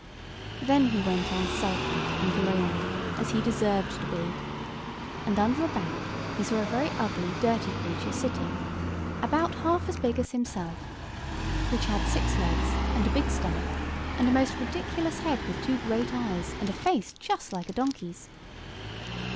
Then he went on sulky and lonely, as he deserved to be; and under a bank he saw a very ugly dirty creature sitting, about half as big as himself; which had six legs, and a big stomach, and a most ridiculous head with two great eyes and a face just like a donkey's.